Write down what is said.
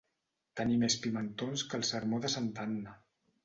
Tenir més pimentons que el sermó de santa Anna.